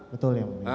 betul ya muridnya